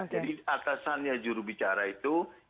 jadi atasannya jurubicara itu